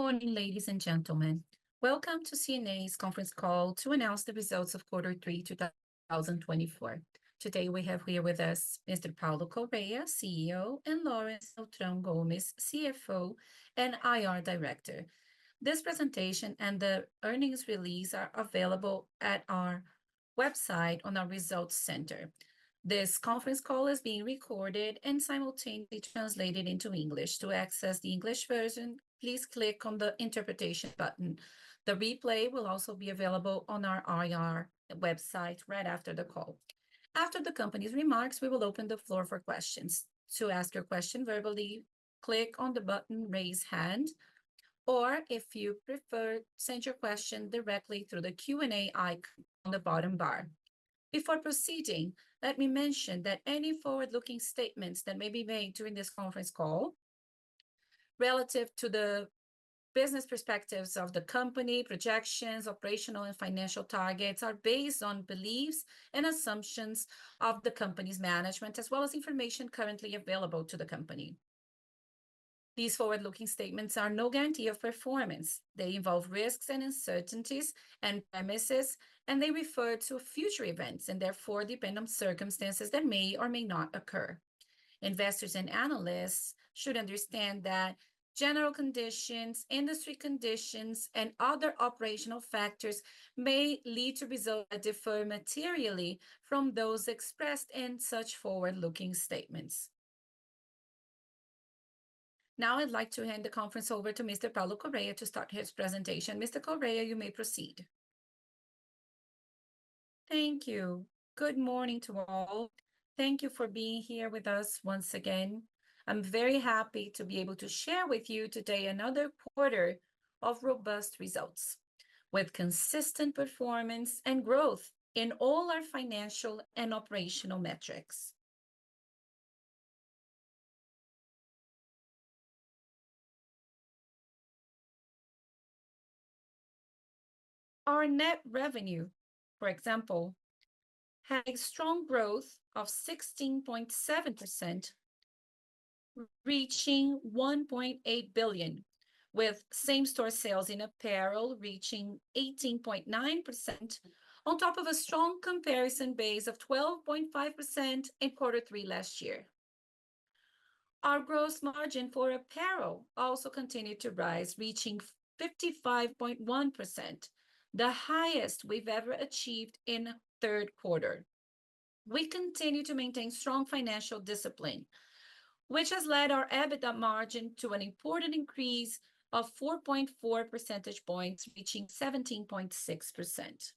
Good morning, ladies and gentlemen. Welcome to C&A's conference call to announce the results of Quarter 3, 2024. Today we have here with us Mr. Paulo Correa, CEO, and Laurence Beltrão Gomes, CFO and IR Director. This presentation and the earnings release are available at our website on our Results Center. This conference call is being recorded and simultaneously translated into English. To access the English version, please click on the Interpretation button. The replay will also be available on our IR website right after the call. After the company's remarks, we will open the floor for questions. To ask your question verbally, click on the button Raise Hand, or if you prefer, send your question directly through the Q&A icon on the bottom bar. Before proceeding, let me mention that any forward-looking statements that may be made during this conference call relative to the business perspectives of the company, projections, operational, and financial targets are based on beliefs and assumptions of the company's management, as well as information currently available to the company. These forward-looking statements are no guarantee of performance. They involve risks and uncertainties and premises, and they refer to future events and therefore depend on circumstances that may or may not occur. Investors and analysts should understand that general conditions, industry conditions, and other operational factors may lead to results that differ materially from those expressed in such forward-looking statements. Now I'd like to hand the conference over to Mr. Paulo Correa to start his presentation. Mr. Correa, you may proceed. Thank you. Good morning to all. Thank you for being here with us once again. I'm very happy to be able to share with you today another quarter of robust results with consistent performance and growth in all our financial and operational metrics. Our net revenue, for example, had a strong growth of 16.7%, reaching 1.8 billion, with same-store sales in apparel reaching 18.9% on top of a strong comparison base of 12.5% in Quarter 3 last year. Our gross margin for apparel also continued to rise, reaching 55.1%, the highest we've ever achieved in Q3. We continue to maintain strong financial discipline, which has led our EBITDA margin to an important increase of 4.4 percentage points, reaching 17.6%.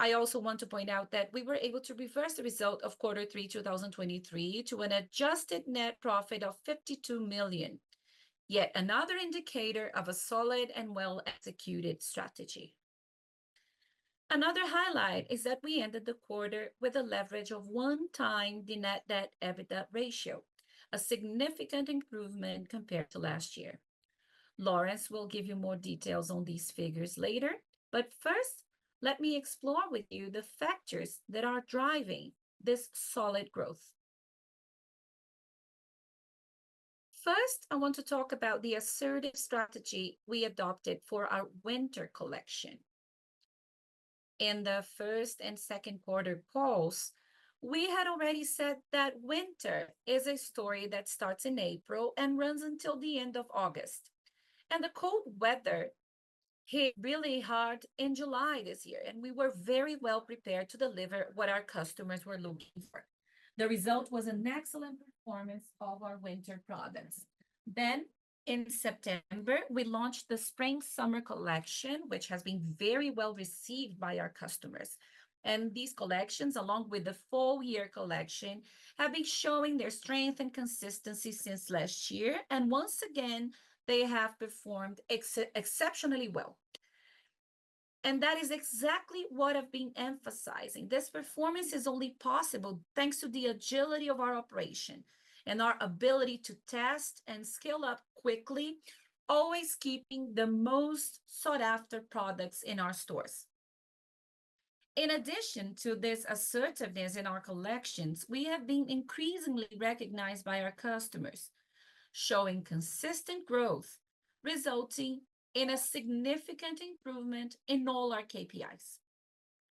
I also want to point out that we were able to reverse the result of Quarter 3, 2023, to an adjusted net profit of 52 million, yet another indicator of a solid and well-executed strategy. Another highlight is that we ended the quarter with a leverage of one times the net debt/EBITDA ratio, a significant improvement compared to last year. Laurence will give you more details on these figures later, but first, let me explore with you the factors that are driving this solid growth. First, I want to talk about the assertive strategy we adopted for our winter collection. In the first and second quarter calls, we had already said that winter is a story that starts in April and runs until the end of August, and the cold weather hit really hard in July this year, and we were very well prepared to deliver what our customers were looking for. The result was an excellent performance of our winter products. Then, in September, we launched the spring-summer collection, which has been very well received by our customers. These collections, along with the full-year collection, have been showing their strength and consistency since last year, and once again, they have performed exceptionally well. That is exactly what I've been emphasizing. This performance is only possible thanks to the agility of our operation and our ability to test and scale up quickly, always keeping the most sought-after products in our stores. In addition to this assertiveness in our collections, we have been increasingly recognized by our customers, showing consistent growth, resulting in a significant improvement in all our KPIs.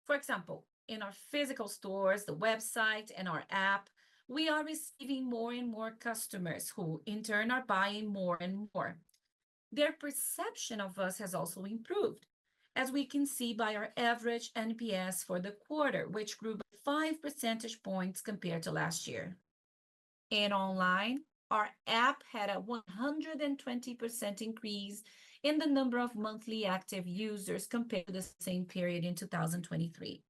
For example, in our physical stores, the website, and our app, we are receiving more and more customers who, in turn, are buying more and more. Their perception of us has also improved, as we can see by our average NPS for the quarter, which grew by 5 percentage points compared to last year. And online, our app had a 120% increase in the number of monthly active users compared to the same period in 2023.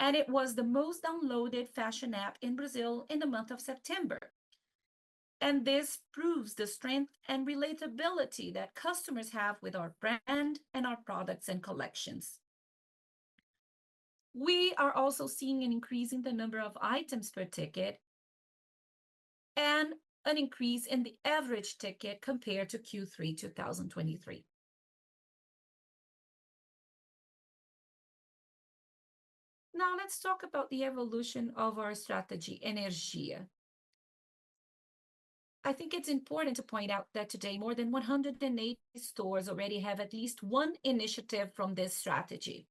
And it was the most downloaded fashion app in Brazil in the month of September. And this proves the strength and relatability that customers have with our brand and our products and collections. We are also seeing an increase in the number of items per ticket and an increase in the average ticket compared to Q3 2023. Now, let's talk about the evolution of our strategy, Energia. I think it's important to point out that today, more than 180 stores already have at least one initiative from this strategy.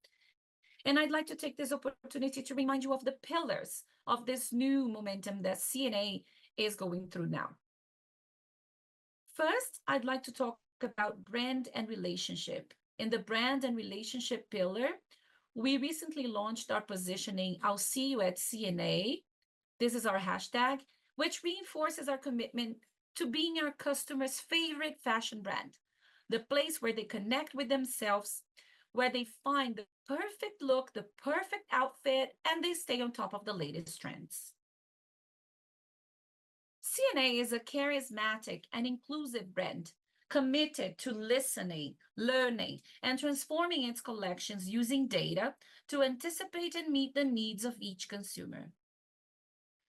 And I'd like to take this opportunity to remind you of the pillars of this new momentum that C&A is going through now. First, I'd like to talk about brand and relationship. In the brand and relationship pillar, we recently launched our positioning, "I'll see you at C&A." This is our hashtag, which reinforces our commitment to being our customer's favorite fashion brand, the place where they connect with themselves, where they find the perfect look, the perfect outfit, and they stay on top of the latest trends. C&A is a charismatic and inclusive brand committed to listening, learning, and transforming its collections using data to anticipate and meet the needs of each consumer.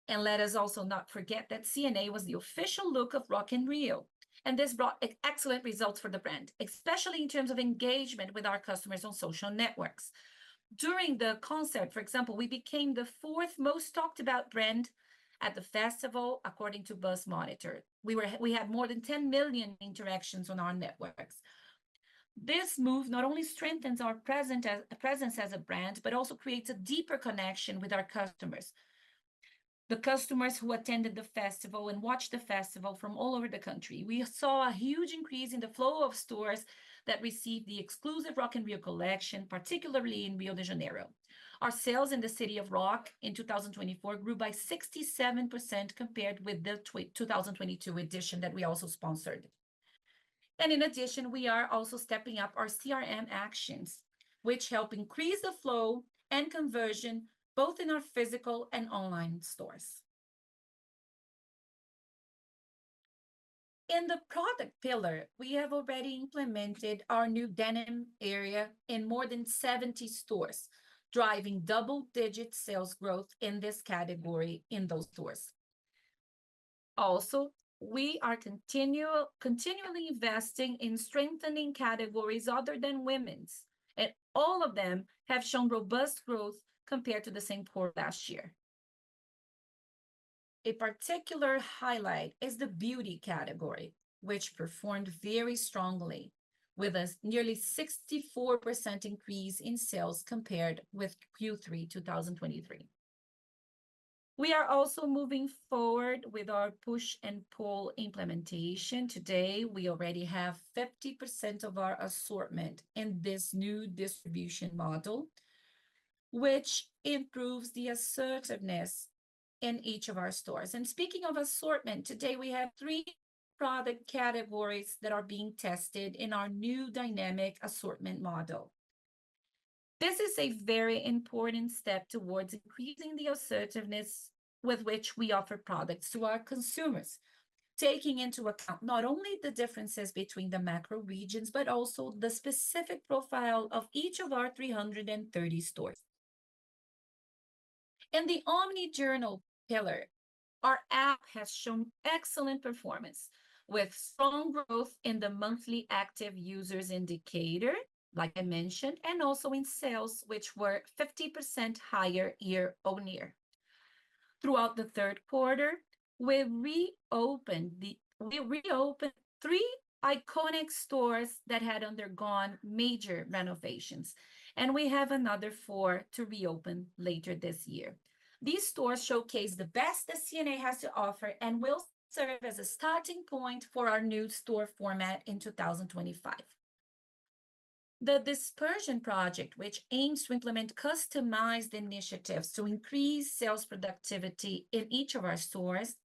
And let us also not forget that C&A was the official look of Rock in Rio, and this brought excellent results for the brand, especially in terms of engagement with our customers on social networks. During the concert, for example, we became the fourth most talked-about brand at the festival, according to Buzzmonitor. We had more than 10 million interactions on our networks. This move not only strengthens our presence as a brand, but also creates a deeper connection with our customers, the customers who attended the festival and watched the festival from all over the country. We saw a huge increase in the flow of stores that received the exclusive Rock in Rio collection, particularly in Rio de Janeiro. Our sales in the City of Rock in 2024 grew by 67% compared with the 2022 edition that we also sponsored. And in addition, we are also stepping up our CRM actions, which help increase the flow and conversion both in our physical and online stores. In the product pillar, we have already implemented our new denim area in more than 70 stores, driving double-digit sales growth in this category in those stores. Also, we are continually investing in strengthening categories other than women's, and all of them have shown robust growth compared to the same quarter last year. A particular highlight is the beauty category, which performed very strongly, with a nearly 64% increase in sales compared with Q3 2023. We are also moving forward with our push and pull implementation. Today, we already have 50% of our assortment in this new distribution model, which improves the assertiveness in each of our stores, and speaking of assortment, today we have three product categories that are being tested in our new dynamic assortment model. This is a very important step towards increasing the assertiveness with which we offer products to our consumers, taking into account not only the differences between the macro regions, but also the specific profile of each of our 330 stores. In the omnichannel pillar, our app has shown excellent performance with strong growth in the monthly active users indicator, like I mentioned, and also in sales, which were 50% higher year-on-year. Throughout the third quarter, we reopened three iconic stores that had undergone major renovations, and we have another four to reopen later this year. These stores showcase the best that C&A has to offer and will serve as a starting point for our new store format in 2025. The Expansion Project, which aims to implement customized initiatives to increase sales productivity in each of our stores,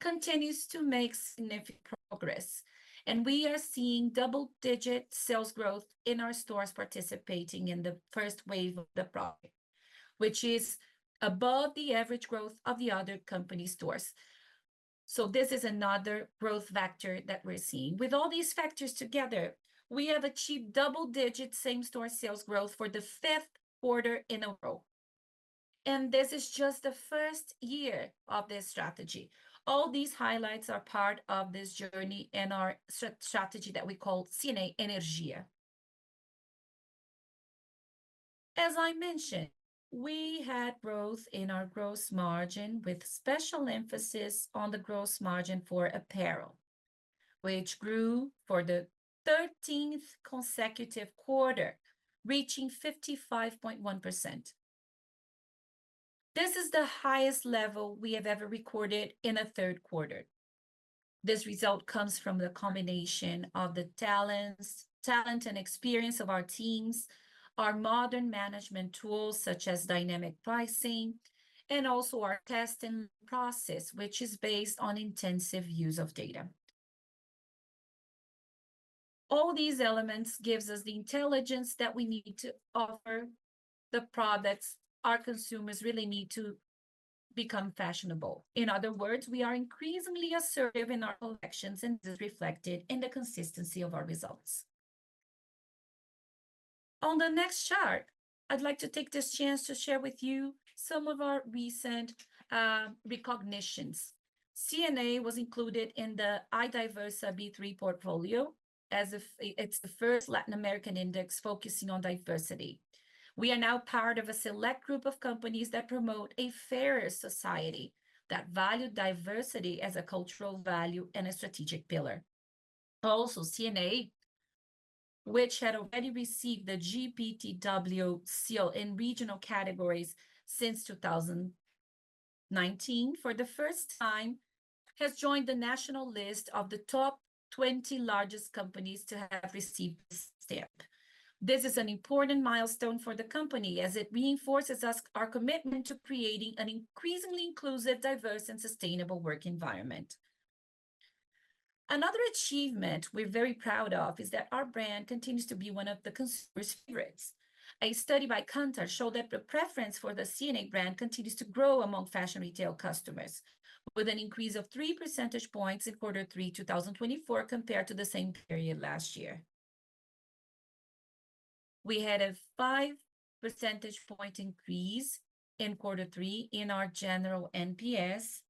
continues to make significant progress, and we are seeing double-digit sales growth in our stores participating in the first wave of the project, which is above the average growth of the other company stores, so this is another growth factor that we're seeing. With all these factors together, we have achieved double-digit same-store sales growth for the fifth quarter in a row, and this is just the first year of this strategy. All these highlights are part of this journey and our strategy that we call C&A Energia. As I mentioned, we had growth in our gross margin with special emphasis on the gross margin for apparel, which grew for the 13th consecutive quarter, reaching 55.1%. This is the highest level we have ever recorded in a third quarter. This result comes from the combination of the talent and experience of our teams, our modern management tools such as dynamic pricing, and also our testing process, which is based on intensive use of data. All these elements give us the intelligence that we need to offer the products our consumers really need to become fashionable. In other words, we are increasingly assertive in our collections, and this is reflected in the consistency of our results. On the next chart, I'd like to take this chance to share with you some of our recent recognitions. C&A was included in the IDIVERSA B3 portfolio as if it's the first Latin American index focusing on diversity. We are now part of a select group of companies that promote a fairer society that value diversity as a cultural value and a strategic pillar. Also, C&A, which had already received the GPTW seal in regional categories since 2019, for the first time, has joined the national list of the top 20 largest companies to have received the stamp. This is an important milestone for the company as it reinforces our commitment to creating an increasingly inclusive, diverse, and sustainable work environment. Another achievement we're very proud of is that our brand continues to be one of the consumers' favorites. A study by Kantar showed that the preference for the C&A brand continues to grow among fashion retail customers, with an increase of 3 percentage points in Quarter 3, 2024, compared to the same period last year. We had a 5 percentage point increase in Quarter 3 in our general NPS,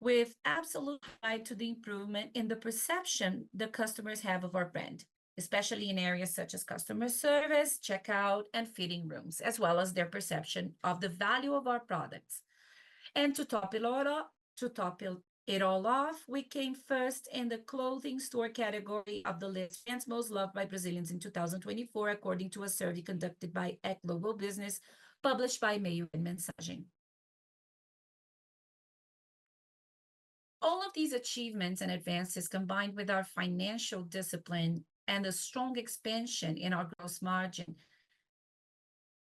with absolute delight to the improvement in the perception the customers have of our brand, especially in areas such as customer service, checkout, and fitting rooms, as well as their perception of the value of our products. And to top it all off, we came first in the clothing store category of the list's most loved by Brazilians in 2024, according to a survey conducted by Ecglobal, published by Meio & Mensagem. All of these achievements and advances, combined with our financial discipline and the strong expansion in our gross margin,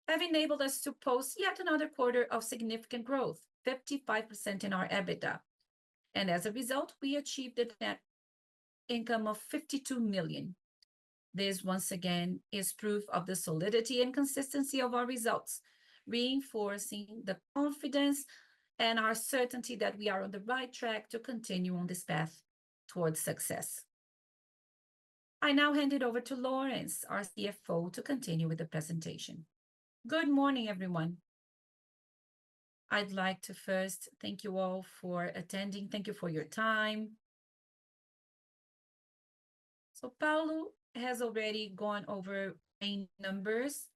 have enabled us to post yet another quarter of significant growth, 55% in our EBITDA, and as a result, we achieved a net income of 52 million. This, once again, is proof of the solidity and consistency of our results, reinforcing the confidence and our certainty that we are on the right track to continue on this path towards success. I now hand it over to Laurence, our CFO, to continue with the presentation. Good morning, everyone. I'd like to first thank you all for attending. Thank you for your time, so Paulo has already gone over main numbers,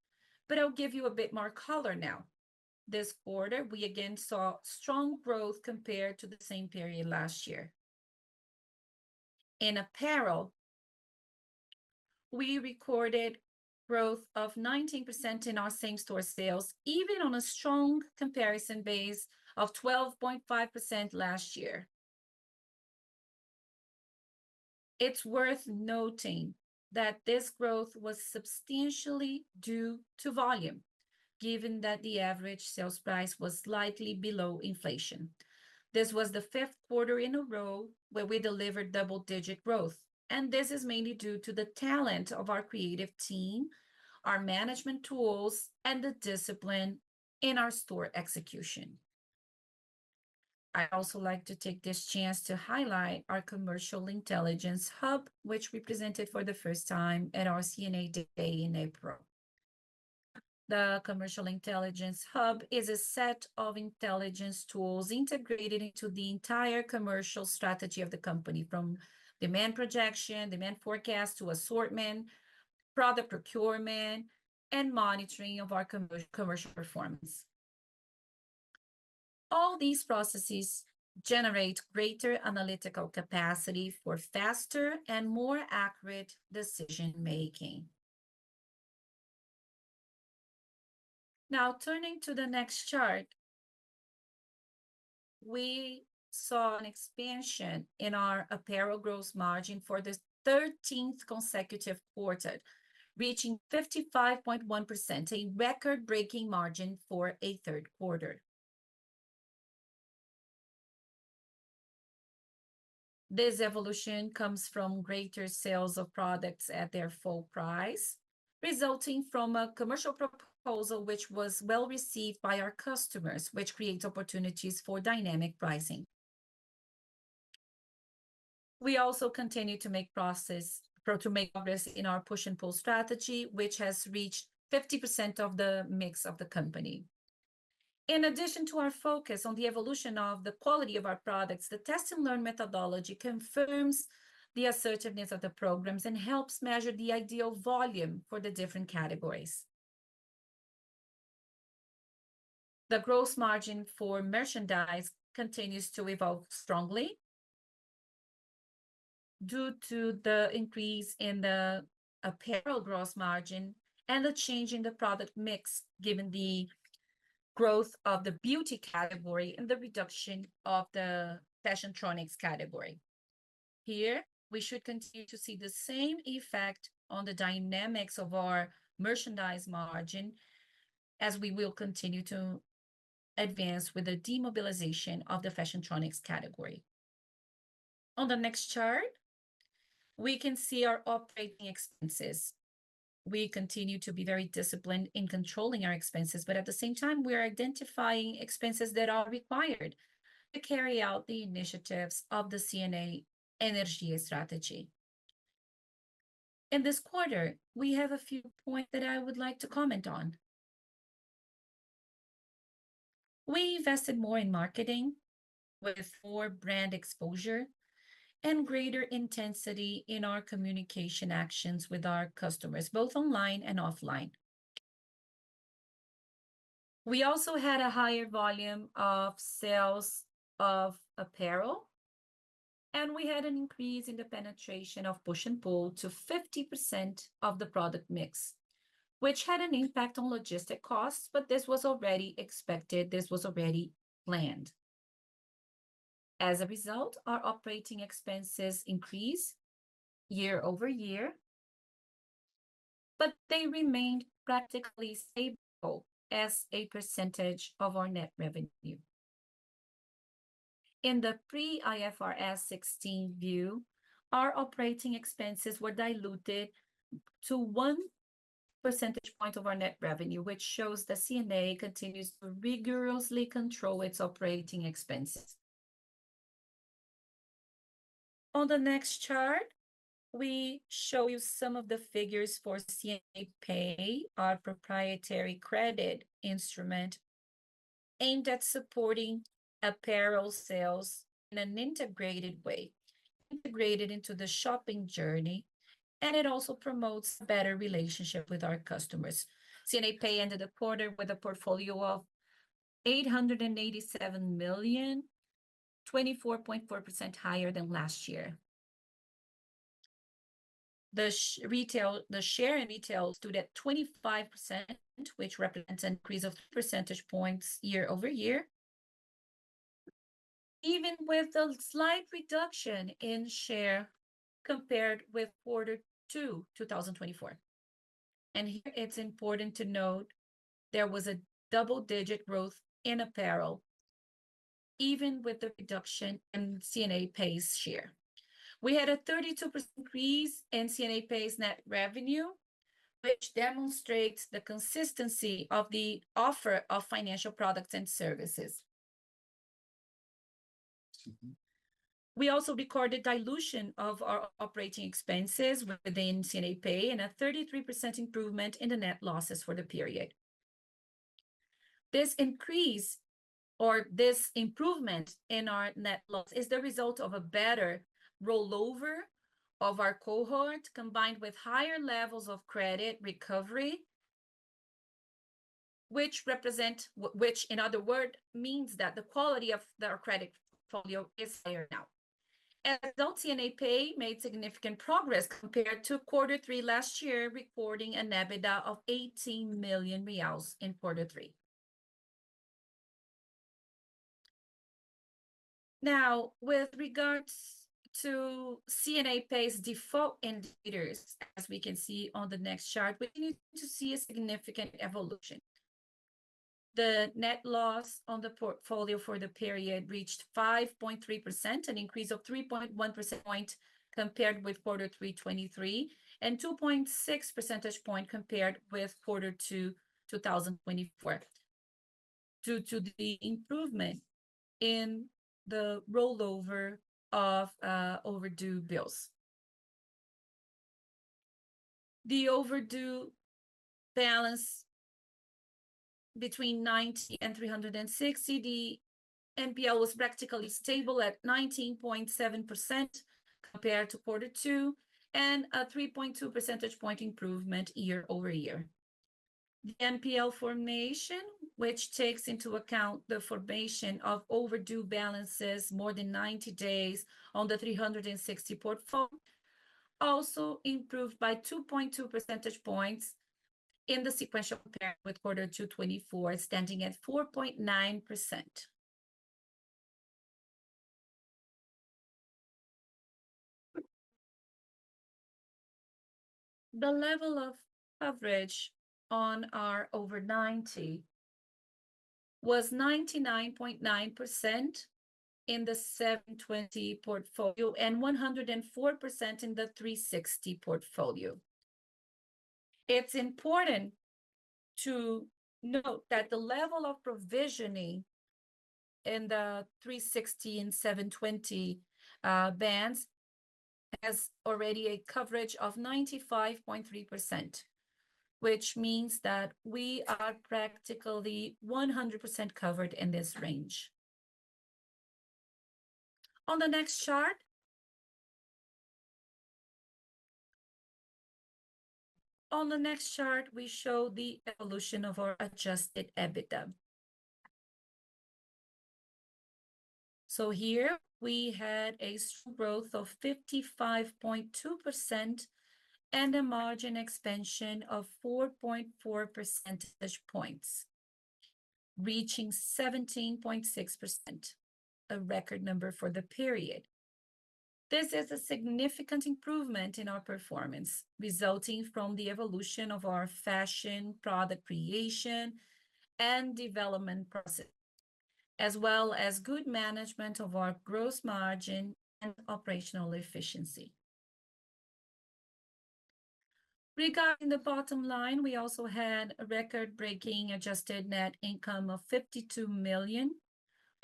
but I'll give you a bit more color now. This quarter, we again saw strong growth compared to the same period last year. In apparel, we recorded growth of 19% in our same-store sales, even on a strong comparison base of 12.5% last year. It's worth noting that this growth was substantially due to volume, given that the average sales price was slightly below inflation. This was the fifth quarter in a row where we delivered double-digit growth, and this is mainly due to the talent of our creative team, our management tools, and the discipline in our store execution. I'd also like to take this chance to highlight our Commercial Intelligence Hub, which we presented for the first time at our C&A Day in April. The Commercial Intelligence Hub is a set of intelligence tools integrated into the entire commercial strategy of the company, from demand projection, demand forecast to assortment, product procurement, and monitoring of our commercial performance. All these processes generate greater analytical capacity for faster and more accurate decision-making. Now, turning to the next chart, we saw an expansion in our apparel gross margin for the 13th consecutive quarter, reaching 55.1%, a record-breaking margin for a third quarter. This evolution comes from greater sales of products at their full price, resulting from a commercial proposal which was well received by our customers, which creates opportunities for dynamic pricing. We also continue to make progress in our push and pull strategy, which has reached 50% of the mix of the company. In addition to our focus on the evolution of the quality of our products, the test and learn methodology confirms the assertiveness of the programs and helps measure the ideal volume for the different categories. The gross margin for merchandise continues to evolve strongly due to the increase in the apparel gross margin and the change in the product mix, given the growth of the beauty category and the reduction of the Fashiontronics category. Here, we should continue to see the same effect on the dynamics of our merchandise margin as we will continue to advance with the demobilization of the Fashiontronics category. On the next chart, we can see our operating expenses. We continue to be very disciplined in controlling our expenses, but at the same time, we are identifying expenses that are required to carry out the initiatives of the C&A Energia strategy. In this quarter, we have a few points that I would like to comment on. We invested more in marketing, with more brand exposure and greater intensity in our communication actions with our customers, both online and offline. We also had a higher volume of sales of apparel, and we had an increase in the penetration of push and pull to 50% of the product mix, which had an impact on logistics costs, but this was already expected. This was already planned. As a result, our operating expenses increased year over year, but they remained practically stable as a percentage of our net revenue. In the pre-IFRS 16 view, our operating expenses were diluted to one percentage point of our net revenue, which shows that C&A continues to rigorously control its operating expenses. On the next chart, we show you some of the figures for C&A Pay, our proprietary credit instrument aimed at supporting apparel sales in an integrated way, integrated into the shopping journey, and it also promotes a better relationship with our customers. C&A Pay ended the quarter with a portfolio of 887 million, 24.4% higher than last year. The share in retail stood at 25%, which represents an increase of 3 percentage points year over year, even with a slight reduction in share compared with Quarter 2, 2024, and here, it's important to note there was a double-digit growth in apparel, even with the reduction in C&A Pay's share. We had a 32% increase in C&A Pay's net revenue, which demonstrates the consistency of the offer of financial products and services. We also recorded dilution of our operating expenses within C&A Pay and a 33% improvement in the net losses for the period. This increase or this improvement in our net loss is the result of a better rollover of our cohort, combined with higher levels of credit recovery, which represents, which in other words means that the quality of our credit portfolio is higher now, and C&A Pay made significant progress compared to Quarter 3 last year, recording an EBITDA of 18 million reais in Quarter 3. Now, with regards to C&A Pay's default indicators, as we can see on the next chart, we need to see a significant evolution. The net loss on the portfolio for the period reached 5.3%, an increase of 3.1% compared with Quarter 3, 2023, and 2.6 percentage points compared with Quarter 2, 2024, due to the improvement in the rollover of overdue bills. The overdue balance between $19 and $360, the NPL was practically stable at 19.7% compared to Quarter 2, and a 3.2 percentage point improvement year over year. The NPL formation, which takes into account the formation of overdue balances more than 90 days on the $360 portfolio, also improved by 2.2 percentage points in the sequential comparison with Quarter 2, 2024, standing at 4.9%. The level of coverage on our over 90 was 99.9% in the 720 portfolio and 104% in the 360 portfolio. It's important to note that the level of provisioning in the 360 and 720 bands has already a coverage of 95.3%, which means that we are practically 100% covered in this range. On the next chart, we show the evolution of our Adjusted EBITDA. Here, we had a strong growth of 55.2% and a margin expansion of 4.4 percentage points, reaching 17.6%, a record number for the period. This is a significant improvement in our performance, resulting from the evolution of our fashion product creation and development process, as well as good management of our gross margin and operational efficiency. Regarding the bottom line, we also had a record-breaking adjusted net income of 52 million,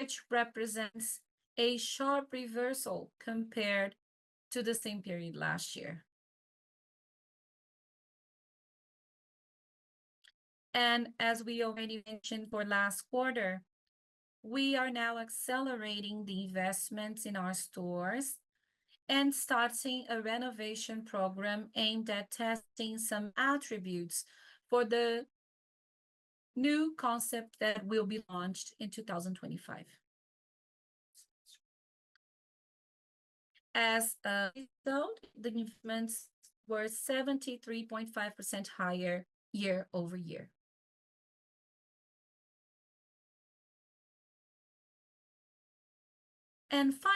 which represents a sharp reversal compared to the same period last year. As we already mentioned for last quarter, we are now accelerating the investments in our stores and starting a renovation program aimed at testing some attributes for the new concept that will be launched in 2025. As a result, the improvements were 73.5% higher year over year.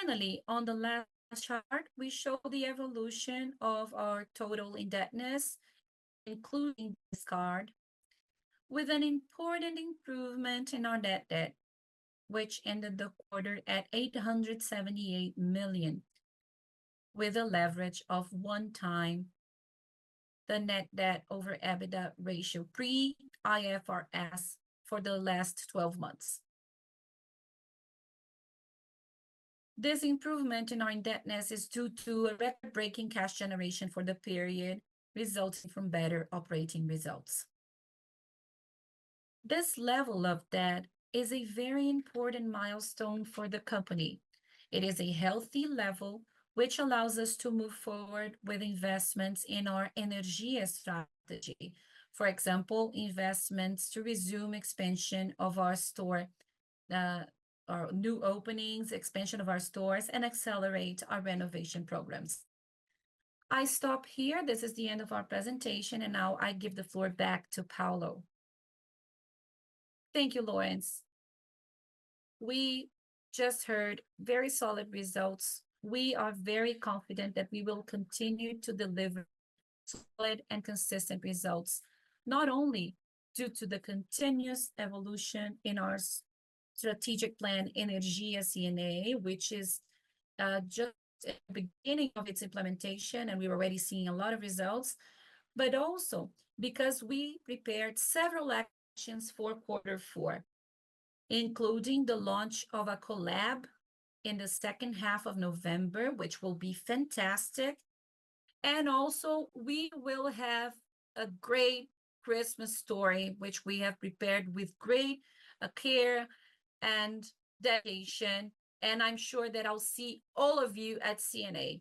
Finally, on the last chart, we show the evolution of our total indebtedness, including this card, with an important improvement in our net debt, which ended the quarter at 878 million, with a leverage of 1x the net debt over EBITDA ratio pre-IFRS for the last 12 months. This improvement in our indebtedness is due to a record-breaking cash generation for the period, resulting from better operating results. This level of debt is a very important milestone for the company. It is a healthy level, which allows us to move forward with investments in our energy strategy. For example, investments to resume expansion of our store, our new openings, expansion of our stores, and accelerate our renovation programs. I stop here. This is the end of our presentation, and now I give the floor back to Paulo. Thank you, Laurence. We just heard very solid results. We are very confident that we will continue to deliver solid and consistent results, not only due to the continuous evolution in our strategic plan, C&A Energia, which is just at the beginning of its implementation, and we're already seeing a lot of results, but also because we prepared several actions for Quarter 4, including the launch of a collab in the second half of November, which will be fantastic. We will also have a great Christmas story, which we have prepared with great care and dedication, and I'm sure that I'll see all of you at C&A.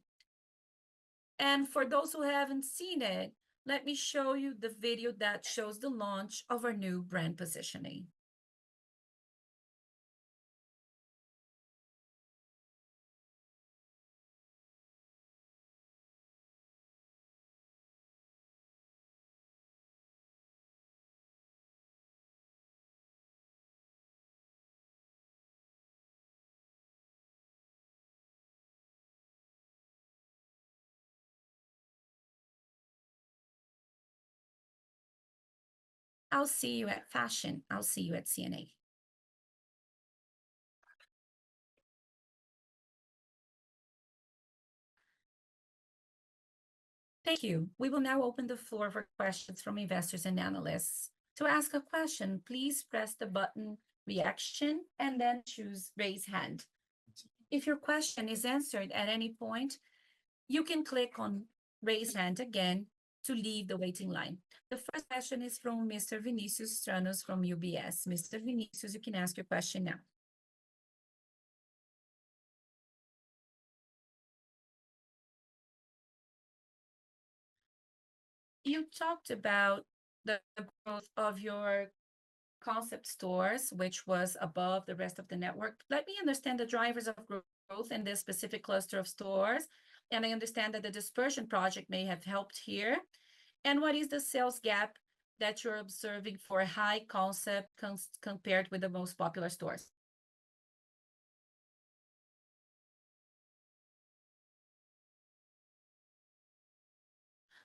For those who haven't seen it, let me show you the video that shows the launch of our new brand positioning. I'll see you at fashion. I'll see you at C&A. Thank you. We will now open the floor for questions from investors and analysts. To ask a question, please press the button "Reaction" and then choose "Raise Hand." If your question is answered at any point, you can click on "Raise Hand" again to leave the waiting line. The first question is from Mr. Vinicius Strano from UBS. Mr. Vinicius, you can ask your question now. You talked about the growth of your concept stores, which was above the rest of the network. Let me understand the drivers of growth in this specific cluster of stores, and I understand that the Dispersion Project may have helped here, and what is the sales gap that you're observing for high concept compared with the most popular stores?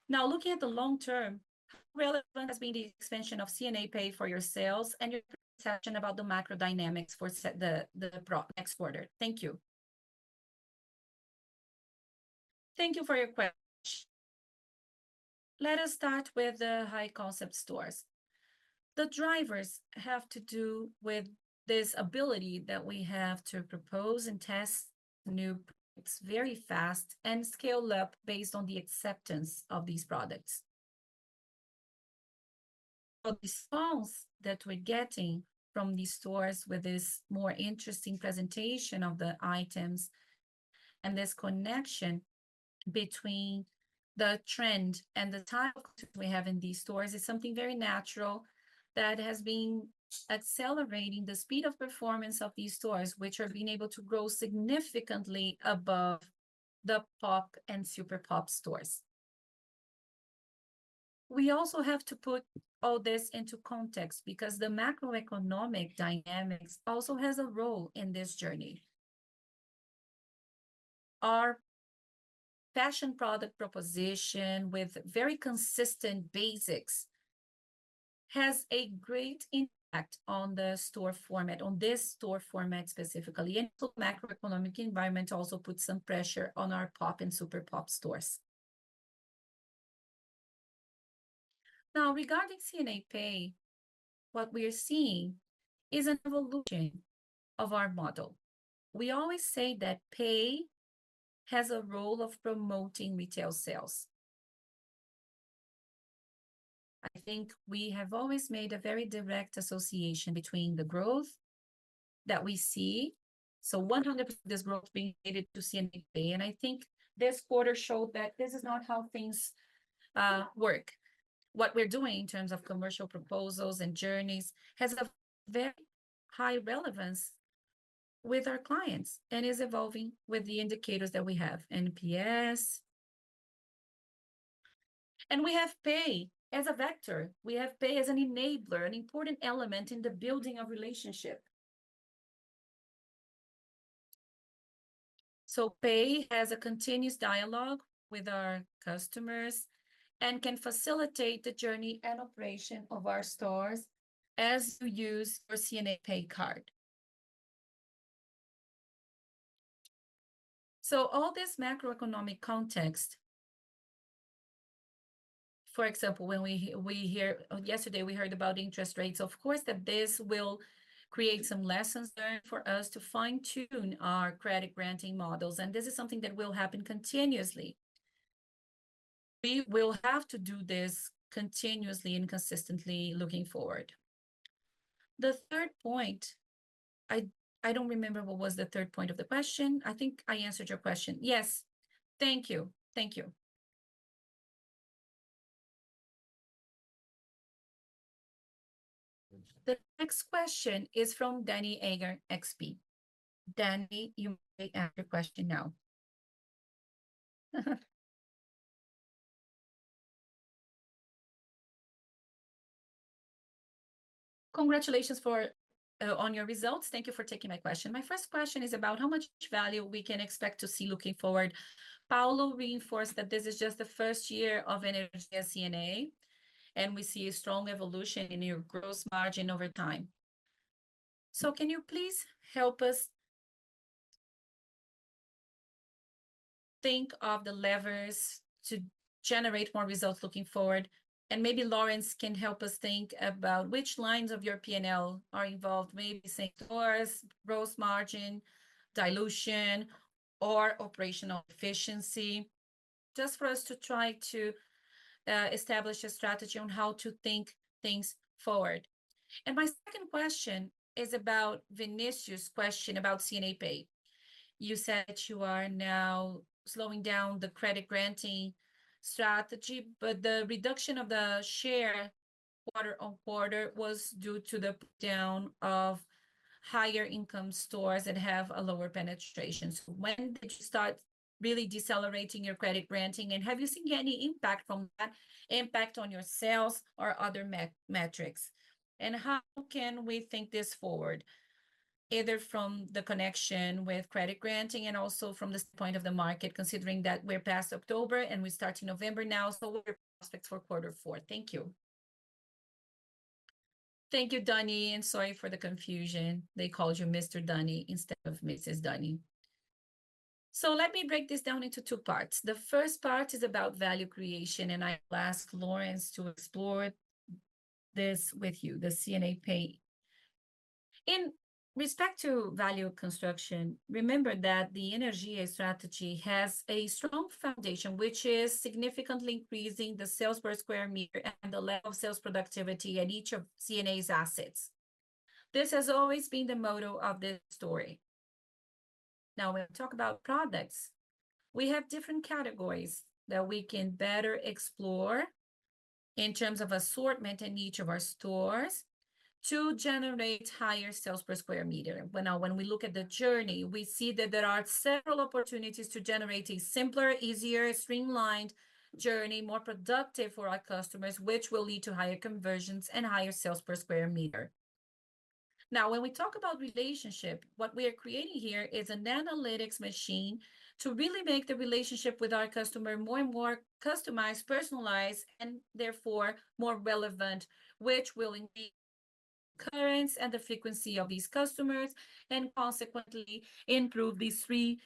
Now, looking at the long term, how relevant has been the expansion of C&A Pay for your sales and your perception about the macro dynamics for the next quarter? Thank you. Thank you for your question. Let us start with the high concept stores. The drivers have to do with this ability that we have to propose and test new products very fast and scale up based on the acceptance of these products. The response that we're getting from these stores with this more interesting presentation of the items and this connection between the trend and the type of concept we have in these stores is something very natural that has been accelerating the speed of performance of these stores, which have been able to grow significantly above the pop and super pop stores. We also have to put all this into context because the macroeconomic dynamics also has a role in this journey. Our fashion product proposition with very consistent basics has a great impact on the store format, on this store format specifically, and so the macroeconomic environment also puts some pressure on our pop and super pop stores. Now, regarding C&A Pay, what we are seeing is an evolution of our model. We always say that pay has a role of promoting retail sales. I think we have always made a very direct association between the growth that we see, so 100% of this growth being needed to C&A Pay, and I think this quarter showed that this is not how things work. What we're doing in terms of commercial proposals and journeys has a very high relevance with our clients and is evolving with the indicators that we have, NPS, and we have pay as a vector. We have Pay as an enabler, an important element in the building of relationship. So Pay has a continuous dialogue with our customers and can facilitate the journey and operation of our stores as you use your C&A Pay card. So all this macroeconomic context, for example, when we hear yesterday, we heard about interest rates, of course, that this will create some lessons learned for us to fine-tune our credit-granting models, and this is something that will happen continuously. We will have to do this continuously and consistently looking forward. The third point, I don't remember what was the third point of the question. I think I answered your question. Yes. Thank you. Thank you. The next question is from Danniela Eiger, XP Investimentos. Danniela, you may ask your question now. Congratulations on your results. Thank you for taking my question. My first question is about how much value we can expect to see looking forward. Paulo reinforced that this is just the first year of C&A Energia, and we see a strong evolution in your gross margin over time. Can you please help us think of the levers to generate more results looking forward? And maybe Laurence can help us think about which lines of your P&L are involved, maybe saying stores, gross margin, dilution, or operational efficiency, just for us to try to establish a strategy on how to think things forward. And my second question is about Vinicius' question about C&A Pay. You said you are now slowing down the credit-granting strategy, but the reduction of the share quarter on quarter was due to the breakdown of higher-income stores that have a lower penetration. So when did you start really decelerating your credit-granting, and have you seen any impact from that impact on your sales or other metrics? And how can we think this forward, either from the connection with credit-granting and also from the standpoint of the market, considering that we're past October and we start in November now, so what are your prospects for Quarter 4? Thank you. Thank you, Danniela, and sorry for the confusion. They called you Mr. Danniela instead of Mrs. Danniela. So let me break this down into two parts. The first part is about value creation, and I'll ask Laurence to explore this with you, the C&A Pay. In respect to value construction, remember that the Energia strategy has a strong foundation, which is significantly increasing the sales per square meter and the level of sales productivity at each of C&A's assets. This has always been the motto of this story. Now, when we talk about products, we have different categories that we can better explore in terms of assortment in each of our stores to generate higher sales per square meter. Now, when we look at the journey, we see that there are several opportunities to generate a simpler, easier, streamlined journey, more productive for our customers, which will lead to higher conversions and higher sales per square meter. Now, when we talk about relationship, what we are creating here is an analytics machine to really make the relationship with our customer more and more customized, personalized, and therefore more relevant, which will enhance the occurrence and the frequency of these customers and consequently improve these three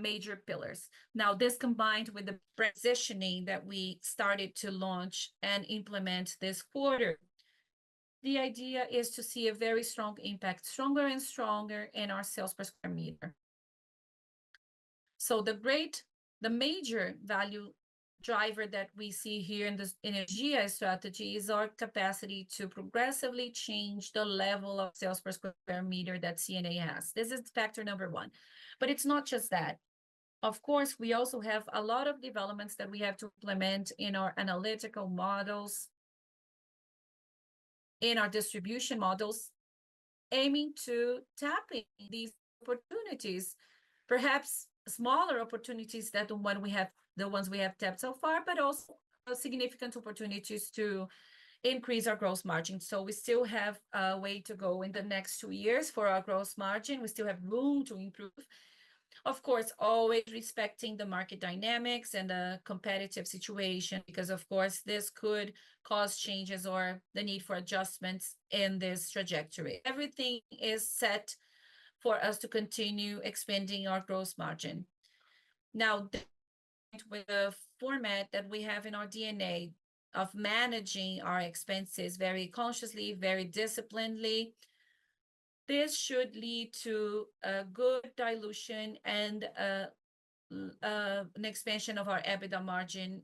major pillars. Now, this combined with the positioning that we started to launch and implement this quarter, the idea is to see a very strong impact, stronger and stronger in our sales per square meter, so the major value driver that we see here in the Energy strategy is our capacity to progressively change the level of sales per square meter that C&A has. This is factor number one, but it's not just that. Of course, we also have a lot of developments that we have to implement in our analytical models, in our distribution models, aiming to tap in these opportunities, perhaps smaller opportunities than the ones we have tapped so far, but also significant opportunities to increase our gross margin, so we still have a way to go in the next two years for our gross margin. We still have room to improve. Of course, always respecting the market dynamics and the competitive situation because, of course, this could cause changes or the need for adjustments in this trajectory. Everything is set for us to continue expanding our gross margin. Now, with the format that we have in our DNA of managing our expenses very consciously, very disciplinedly, this should lead to a good dilution and an expansion of our EBITDA margin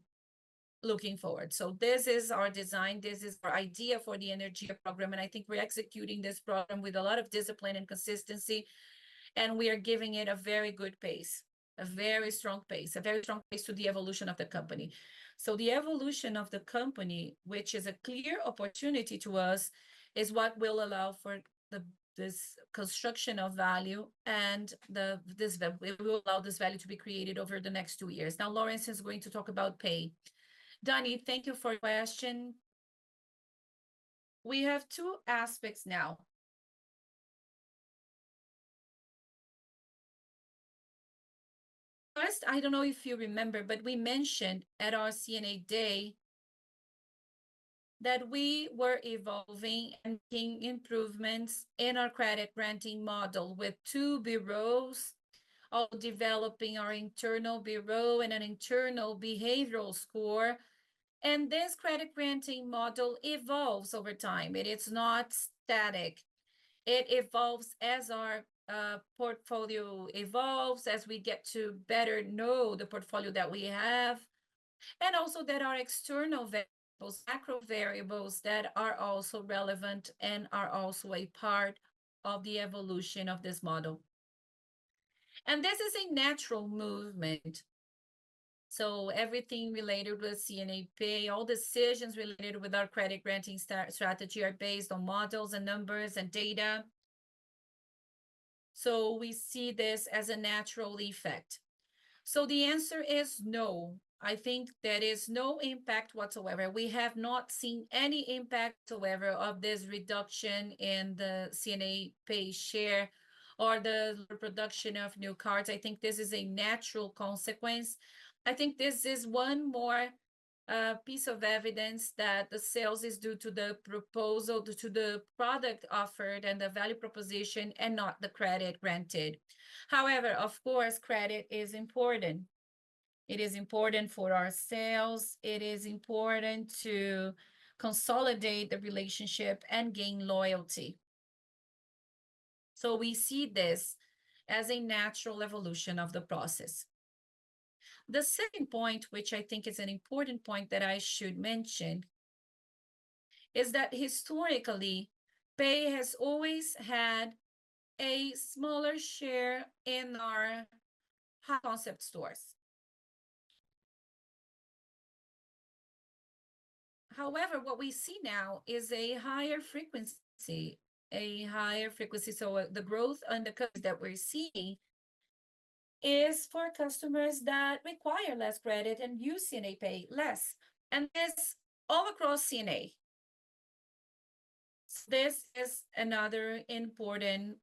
looking forward. So this is our design. This is our idea for the Energy program, and I think we're executing this program with a lot of discipline and consistency, and we are giving it a very good pace, a very strong pace, a very strong pace to the evolution of the company. The evolution of the company, which is a clear opportunity to us, is what will allow for this construction of value and this value will allow this value to be created over the next two years. Now, Laurence is going to talk about pay. Danniela, thank you for your question. We have two aspects now. First, I don't know if you remember, but we mentioned at our C&A Day that we were evolving and making improvements in our credit-granting model with two bureaus, all developing our internal bureau and an internal behavioral score. And this credit-granting model evolves over time. It is not static. It evolves as our portfolio evolves, as we get to better know the portfolio that we have, and also that our external variables, macro variables that are also relevant and are also a part of the evolution of this model. This is a natural movement. Everything related with C&A Pay, all decisions related with our credit-granting strategy are based on models and numbers and data. We see this as a natural effect. The answer is no. I think that is no impact whatsoever. We have not seen any impact whatsoever of this reduction in the C&A Pay share or the production of new cards. I think this is a natural consequence. I think this is one more piece of evidence that the sales is due to the proposal, to the product offered and the value proposition, and not the credit granted. However, of course, credit is important. It is important for our sales. It is important to consolidate the relationship and gain loyalty. We see this as a natural evolution of the process. The second point, which I think is an important point that I should mention, is that historically, Pay has always had a smaller share in our concept stores. However, what we see now is a higher frequency, a higher frequency. So the growth and the curve that we're seeing is for customers that require less credit and use C&A Pay less. And this is all across C&A. This is another important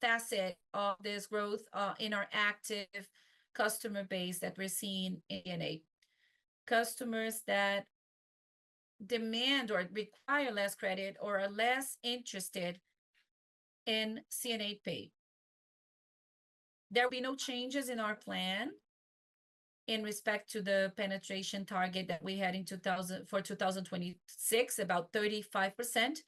facet of this growth in our active customer base that we're seeing in C&A. Customers that demand or require less credit or are less interested in C&A Pay. There will be no changes in our plan in respect to the penetration target that we had for 2026, about 35%.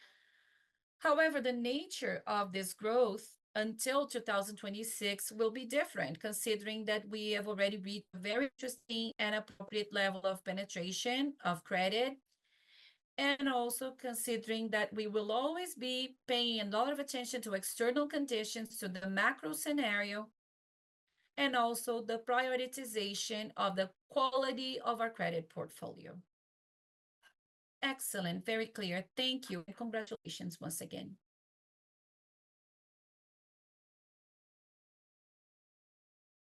However, the nature of this growth until 2026 will be different, considering that we have already reached a very interesting and appropriate level of penetration of credit, and also considering that we will always be paying a lot of attention to external conditions, to the macro scenario, and also the prioritization of the quality of our credit portfolio. Excellent. Very clear. Thank you. Congratulations once again.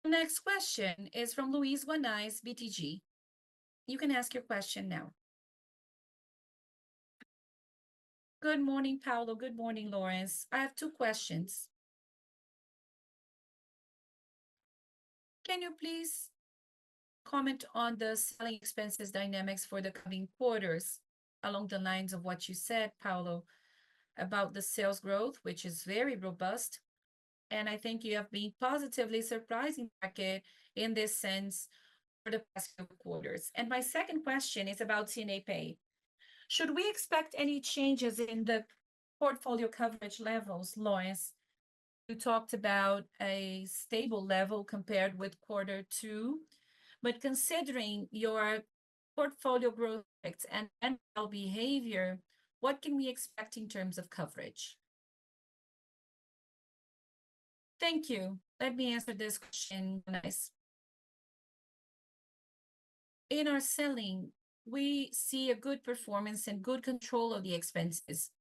The next question is from Luiz Guanais, BTG. You can ask your question now. Good morning, Paulo. Good morning, Laurence. I have two questions. Can you please comment on the selling expenses dynamics for the coming quarters along the lines of what you said, Paulo, about the sales growth, which is very robust, and I think you have been positively surprising the market in this sense for the past few quarters. And my second question is about C&A Pay. Should we expect any changes in the portfolio coverage levels, Laurence? You talked about a stable level compared with quarter two, but considering your portfolio growth and behavior, what can we expect in terms of coverage? Thank you. Let me answer this question, Guanais. In our selling, we see a good performance and good control of the expenses.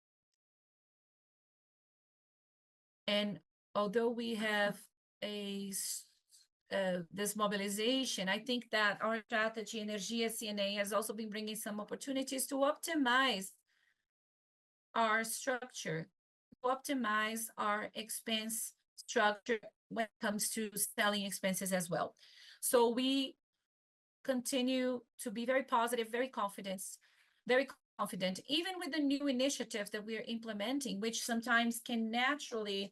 And although we have this mobilization, I think that our strategy, C&A Energia, has also been bringing some opportunities to optimize our structure, to optimize our expense structure when it comes to selling expenses as well. So we continue to be very positive, very confident, even with the new initiative that we are implementing, which sometimes can naturally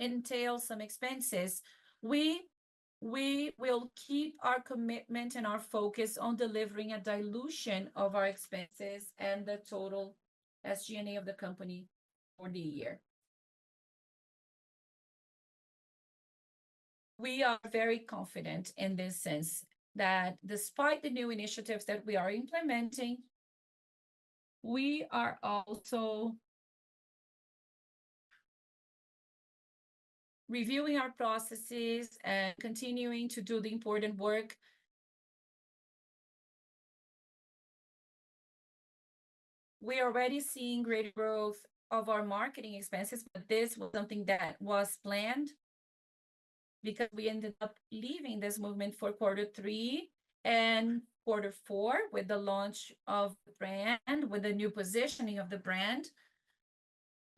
entail some expenses. We will keep our commitment and our focus on delivering a dilution of our expenses and the total SG&A of the company for the year. We are very confident in this sense that despite the new initiatives that we are implementing, we are also reviewing our processes and continuing to do the important work. We are already seeing greater growth of our marketing expenses, but this was something that was planned because we ended up leaving this movement for quarter three and quarter four with the launch of the brand, with the new positioning of the brand,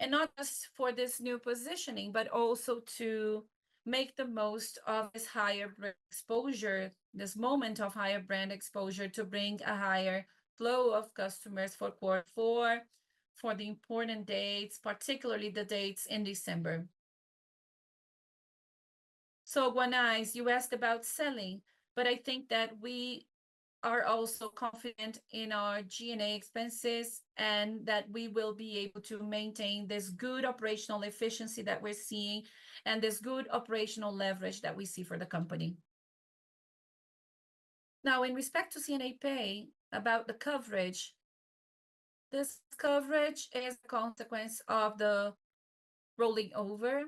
and not just for this new positioning, but also to make the most of this higher brand exposure, this moment of higher brand exposure, to bring a higher flow of customers for quarter four, for the important dates, particularly the dates in December. Guanais, you asked about selling, but I think that we are also confident in our G&A expenses and that we will be able to maintain this good operational efficiency that we're seeing and this good operational leverage that we see for the company. Now, in respect to C&A Pay, about the coverage, this coverage is a consequence of the rolling over.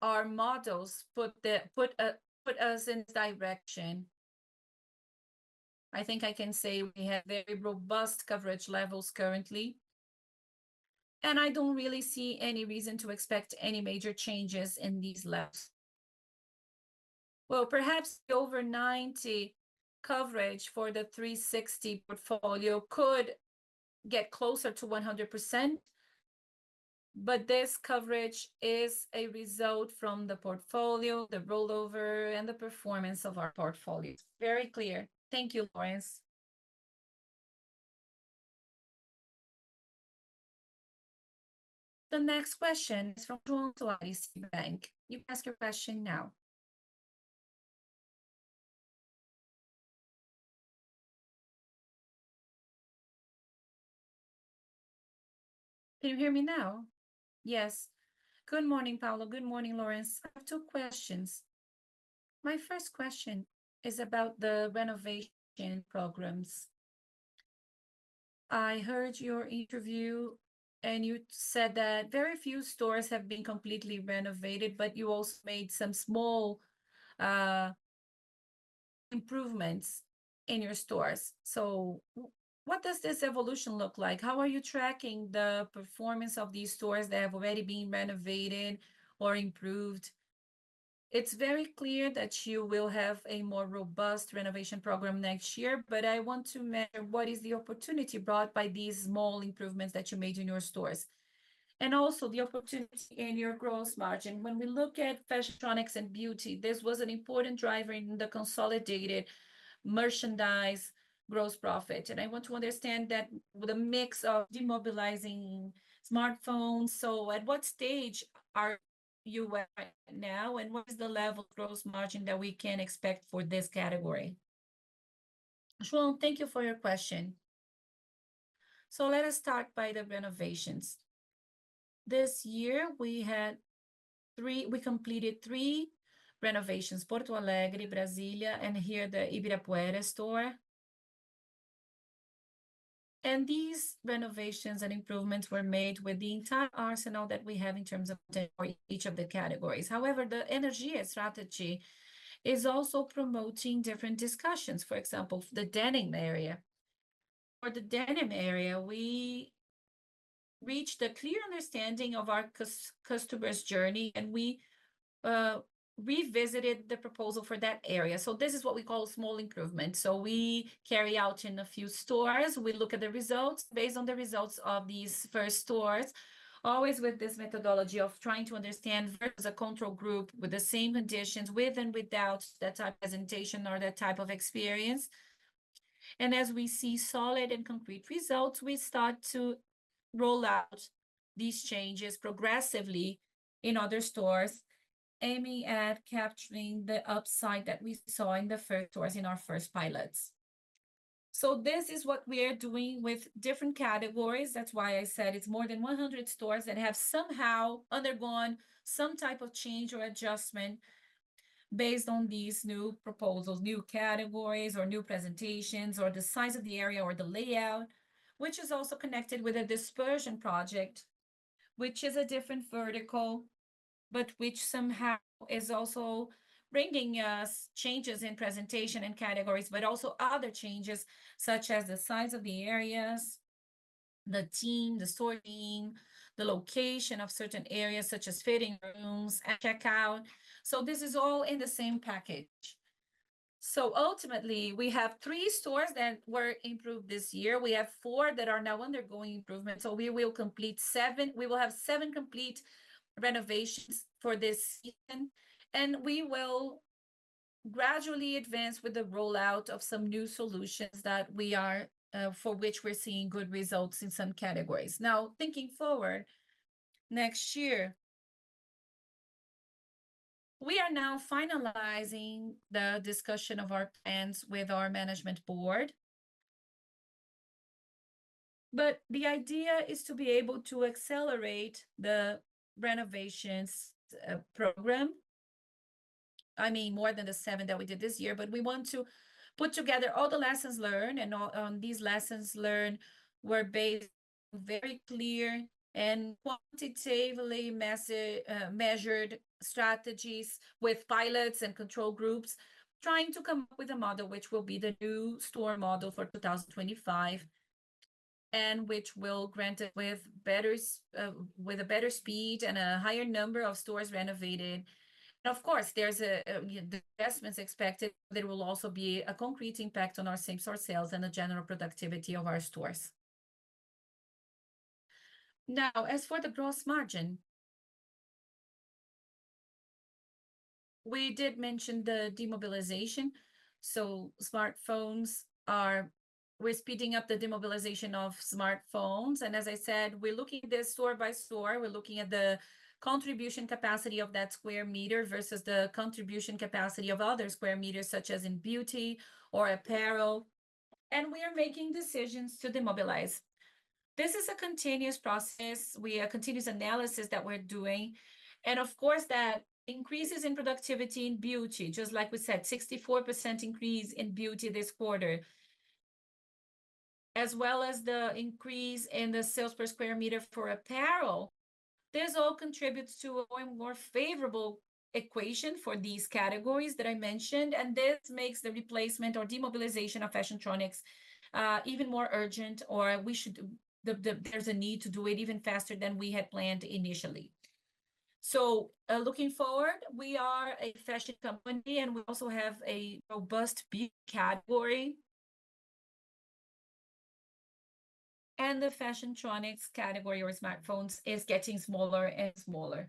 Our models put us in this direction. I think I can say we have very robust coverage levels currently, and I don't really see any reason to expect any major changes in these levels. Perhaps the over 90 coverage for the 360 portfolio could get closer to 100%, but this coverage is a result from the portfolio, the rollover, and the performance of our portfolio. Very clear. Thank you, Laurence. The next question is from Toronto IDC Bank. You can ask your question now. Can you hear me now? Yes. Good morning, Paulo. Good morning, Laurence. I have two questions. My first question is about the renovation programs. I heard your interview, and you said that very few stores have been completely renovated, but you also made some small improvements in your stores. So what does this evolution look like? How are you tracking the performance of these stores that have already been renovated or improved? It's very clear that you will have a more robust renovation program next year, but I want to measure what is the opportunity brought by these small improvements that you made in your stores, and also the opportunity in your gross margin. When we look at fashion and beauty, this was an important driver in the consolidated merchandise gross profit. And I want to understand that with a mix of de-emphasizing smartphones. At what stage are you at now, and what is the level of gross margin that we can expect for this category? Sure. Thank you for your question. Let us start by the renovations. This year, we completed three renovations: Porto Alegre, Brasília, and here the Ibirapuera store. These renovations and improvements were made with the entire arsenal that we have in terms of each of the categories. However, the Energy strategy is also promoting different discussions. For example, the denim area. For the denim area, we reached a clear understanding of our customer's journey, and we revisited the proposal for that area. This is what we call small improvements. We carry out in a few stores. We look at the results based on the results of these first stores, always with this methodology of trying to understand the control group with the same conditions with and without that type of presentation or that type of experience, and as we see solid and concrete results, we start to roll out these changes progressively in other stores, aiming at capturing the upside that we saw in the first stores in our first pilots, so this is what we are doing with different categories. That's why I said it's more than 100 stores that have somehow undergone some type of change or adjustment based on these new proposals, new categories, or new presentations, or the size of the area or the layout, which is also connected with a Dispersion Project, which is a different vertical, but which somehow is also bringing us changes in presentation and categories, but also other changes such as the size of the areas, the team, the sorting, the location of certain areas such as fitting rooms and checkout, so this is all in the same package, so ultimately, we have three stores that were improved this year. We have four that are now undergoing improvement, so we will complete seven. We will have seven complete renovations for this season, and we will gradually advance with the rollout of some new solutions that we are for which we're seeing good results in some categories. Now, thinking forward, next year, we are now finalizing the discussion of our plans with our management board, but the idea is to be able to accelerate the renovations program. I mean, more than the seven that we did this year, but we want to put together all the lessons learned, and on these lessons learned, we're based on very clear and quantitatively measured strategies with pilots and control groups, trying to come up with a model which will be the new store model for 2025 and which will grant us with a better speed and a higher number of stores renovated. Of course, there's the investments expected that will also be a concrete impact on our same-store sales and the general productivity of our stores. Now, as for the gross margin, we did mention the demobilization. So smartphones, we're speeding up the demobilization of smartphones. And as I said, we're looking at this store by store. We're looking at the contribution capacity of that square meter versus the contribution capacity of other square meters, such as in beauty or apparel. And we are making decisions to demobilize. This is a continuous process. We have a continuous analysis that we're doing. And of course, that increases in productivity in beauty, just like we said, 64% increase in beauty this quarter, as well as the increase in the sales per square meter for apparel. This all contributes to a more favorable equation for these categories that I mentioned. And this makes the replacement or demobilization of Fashiontronics even more urgent, or there's a need to do it even faster than we had planned initially. So looking forward, we are a fashion company, and we also have a robust beauty category. And the Fashiontronics category or smartphones is getting smaller and smaller.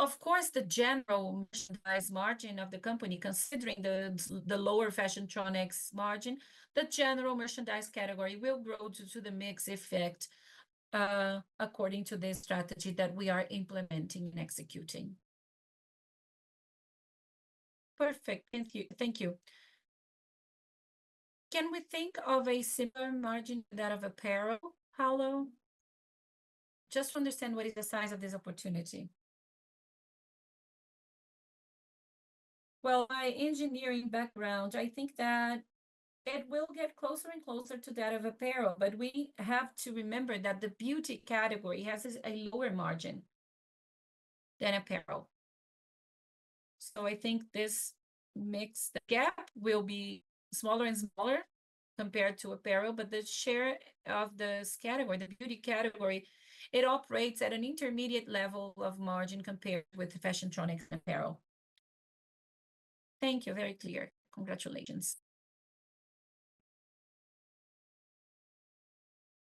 Of course, the general merchandise margin of the company, considering the lower Fashiontronics margin, the general merchandise category will grow due to the mix effect according to this strategy that we are implementing and executing. Perfect. Thank you. Thank you. Can we think of a similar margin to that of apparel, Paulo? Just to understand what is the size of this opportunity. Well, my engineering background, I think that it will get closer and closer to that of apparel, but we have to remember that the beauty category has a lower margin than apparel. So I think this mixed gap will be smaller and smaller compared to apparel, but the share of this category, the beauty category, it operates at an intermediate level of margin compared with Fashiontronics and apparel. Thank you. Very clear. Congratulations.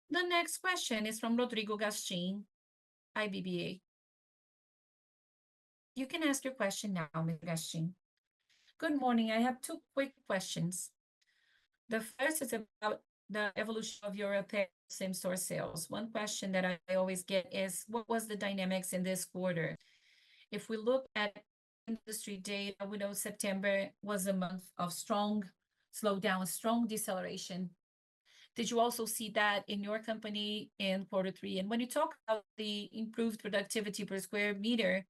The next question is from Rodrigo Gastim, Itaú BBA. You can ask your question now, Mr. Gastim. Good morning. I have two quick questions. The first is about the evolution of your apparel same-store sales. One question that I always get is, what was the dynamics in this quarter? If we look at industry data, we know September was a month of strong slowdown, strong deceleration. Did you also see that in your company in quarter three? And when you talk about the improved productivity per square meter,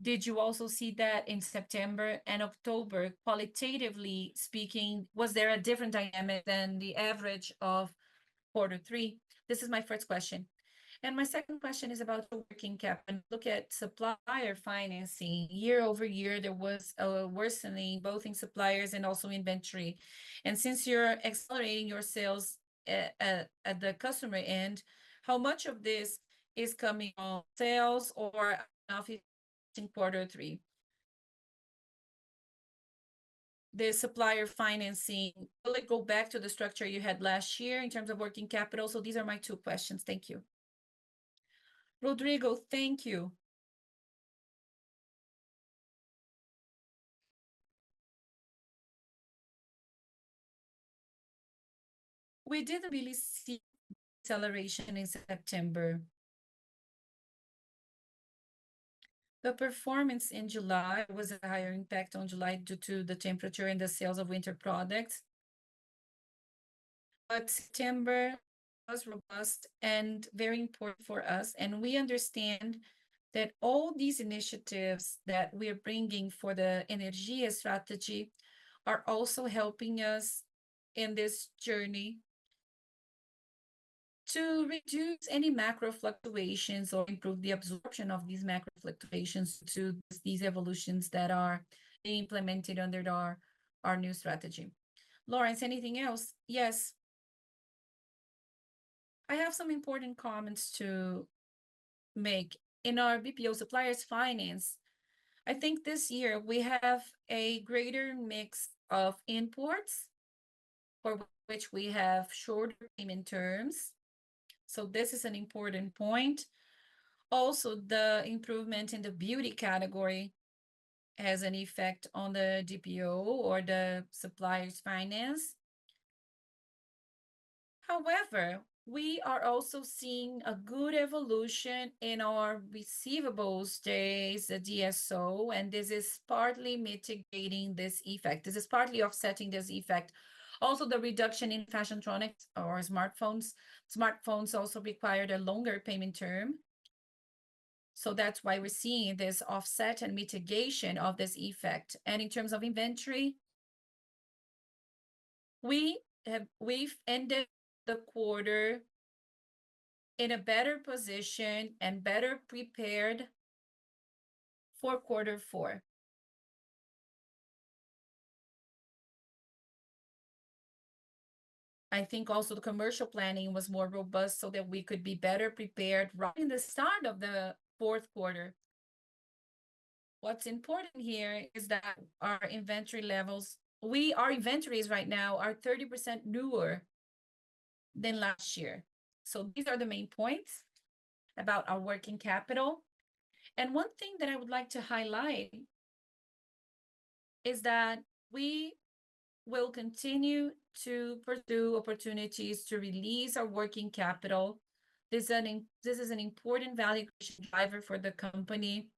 did you also see that in September and October? Qualitatively speaking, was there a different dynamic than the average of quarter three? This is my first question. And my second question is about the working capital. When you look at supplier financing, year over year, there was a worsening both in suppliers and also in inventory. And since you're accelerating your sales at the customer end, how much of this is coming on sales or in quarter three? The supplier financing, will it go back to the structure you had last year in terms of working capital? So these are my two questions. Thank you. Rodrigo, thank you. We didn't really see acceleration in September. The performance in July was a higher impact on July due to the temperature and the sales of winter products. But September was robust and very important for us. And we understand that all these initiatives that we are bringing for the energy strategy are also helping us in this journey to reduce any macro fluctuations or improve the absorption of these macro fluctuations to these evolutions that are being implemented under our new strategy. Laurence, anything else? Yes. I have some important comments to make. In our DPO suppliers finance, I think this year we have a greater mix of imports for which we have shorter payment terms. So this is an important point. Also, the improvement in the beauty category has an effect on the DPO or the suppliers finance. However, we are also seeing a good evolution in our receivables days, the DSO, and this is partly mitigating this effect. This is partly offsetting this effect. Also, the reduction in Fashiontronics or smartphones also required a longer payment term. So that's why we're seeing this offset and mitigation of this effect. And in terms of inventory, we've ended the quarter in a better position and better prepared for quarter four. I think also the commercial planning was more robust so that we could be better prepared right in the start of the fourth quarter. What's important here is that our inventory levels, our inventories right now are 30% newer than last year. So these are the main points about our working capital. And one thing that I would like to highlight is that we will continue to pursue opportunities to release our working capital. This is an important valuation driver for the company.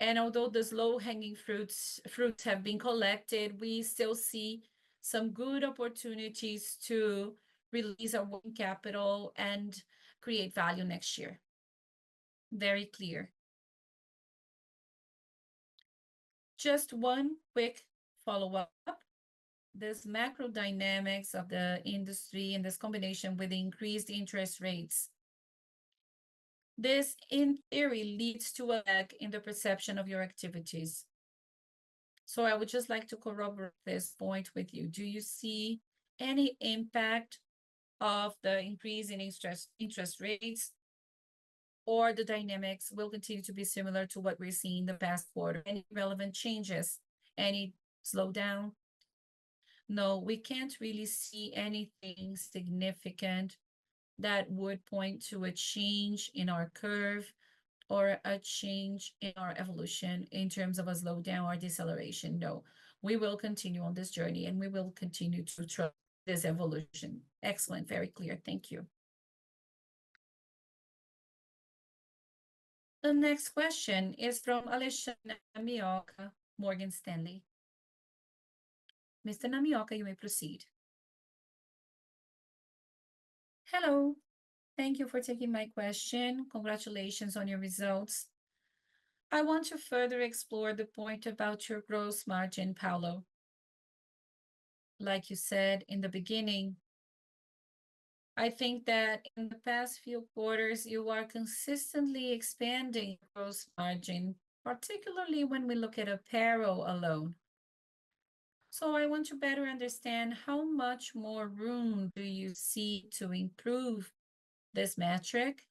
Although the low-hanging fruits have been collected, we still see some good opportunities to release our working capital and create value next year. Very clear. Just one quick follow-up. This macro dynamics of the industry and this combination with increased interest rates, this in theory leads to a lag in the perception of your activities. So I would just like to corroborate this point with you. Do you see any impact of the increase in interest rates or the dynamics will continue to be similar to what we're seeing the past quarter? Any relevant changes? Any slowdown? No, we can't really see anything significant that would point to a change in our curve or a change in our evolution in terms of a slowdown or deceleration. No, we will continue on this journey and we will continue to track this evolution. Excellent. Very clear. Thank you. The next question is from Alexandre Namioka, Morgan Stanley. Ms. Namioka, you may proceed. Hello. Thank you for taking my question. Congratulations on your results. I want to further explore the point about your gross margin, Paulo. Like you said in the beginning, I think that in the past few quarters, you are consistently expanding your gross margin, particularly when we look at apparel alone. So I want to better understand how much more room do you see to improve this metric.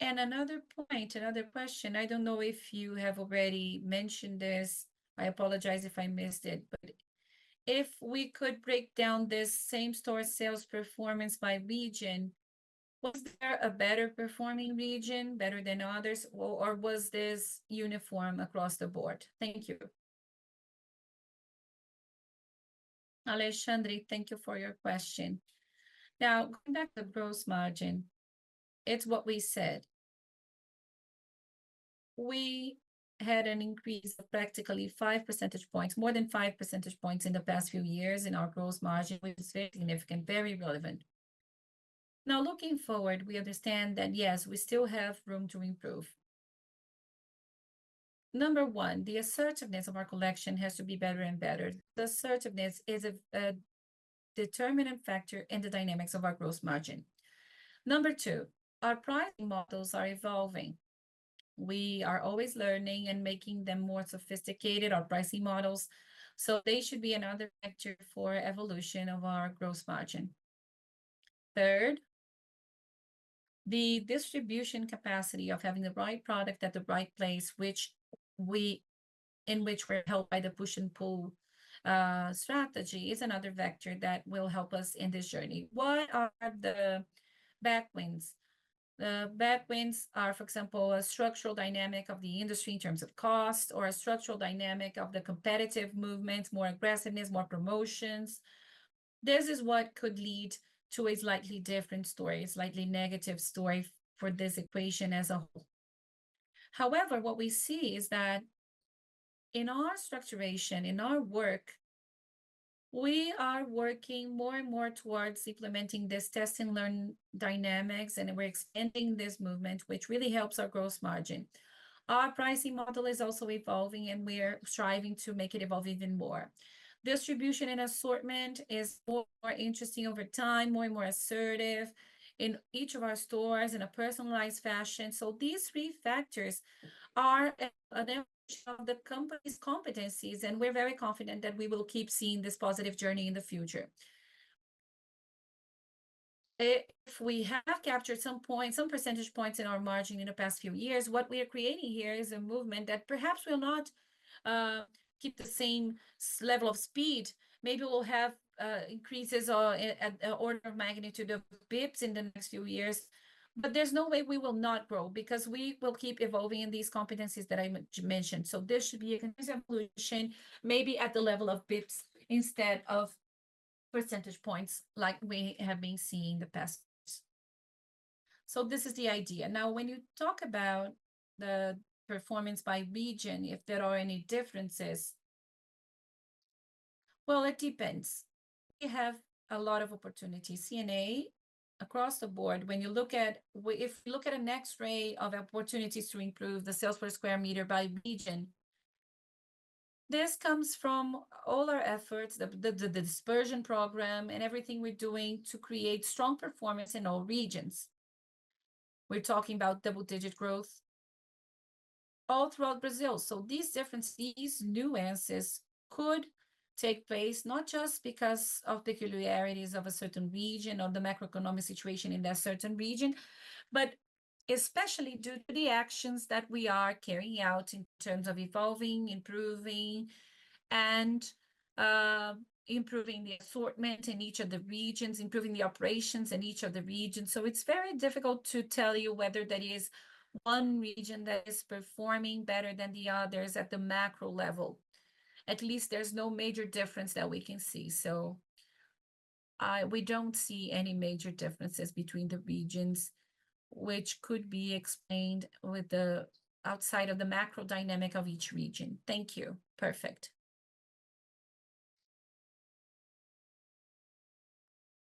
And another point, another question. I don't know if you have already mentioned this. I apologize if I missed it, but if we could break down this same-store sales performance by region, was there a better performing region, better than others, or was this uniform across the board? Thank you. Alexandre, thank you for your question. Now, going back to the gross margin, it's what we said. We had an increase of practically five percentage points, more than five percentage points in the past few years in our Gross Margin, which is very significant, very relevant. Now, looking forward, we understand that, yes, we still have room to improve. Number one, the assertiveness of our collection has to be better and better. The assertiveness is a determinant factor in the dynamics of our Gross Margin. Number two, our pricing models are evolving. We are always learning and making them more sophisticated, our pricing models. So they should be another factor for evolution of our Gross Margin. Third, the distribution capacity of having the right product at the right place, which we're helped by the Push and Pull strategy is another vector that will help us in this journey. What are the backwinds? The headwinds are, for example, a structural dynamic of the industry in terms of cost or a structural dynamic of the competitive movements, more aggressiveness, more promotions. This is what could lead to a slightly different story, a slightly negative story for this equation as a whole. However, what we see is that in our structuration, in our work, we are working more and more towards implementing this test and learn dynamics, and we're expanding this movement, which really helps our gross margin. Our pricing model is also evolving, and we're striving to make it evolve even more. Distribution and assortment is more interesting over time, more and more assertive in each of our stores in a personalized fashion, so these three factors are an evolution of the company's competencies, and we're very confident that we will keep seeing this positive journey in the future. If we have captured some points, some percentage points in our margin in the past few years, what we are creating here is a movement that perhaps will not keep the same level of speed. Maybe we'll have increases or an order of magnitude of basis points in the next few years, but there's no way we will not grow because we will keep evolving in these competencies that I mentioned. So this should be a continuous evolution, maybe at the level of basis points instead of percentage points like we have been seeing in the past. So this is the idea. Now, when you talk about the performance by region, if there are any differences, well, it depends. We have a lot of opportunities. C&A, across the board, when you look at, if you look at an x-ray of opportunities to improve the sales per square meter by region, this comes from all our efforts, the Dispersion Project, and everything we're doing to create strong performance in all regions. We're talking about double-digit growth all throughout Brazil. These differences, these nuances could take place not just because of peculiarities of a certain region or the macroeconomic situation in that certain region, but especially due to the actions that we are carrying out in terms of evolving, improving, and improving the assortment in each of the regions, improving the operations in each of the regions. It's very difficult to tell you whether that is one region that is performing better than the others at the macro level. At least there's no major difference that we can see. So we don't see any major differences between the regions, which could be explained with the outside of the macro dynamic of each region. Thank you. Perfect.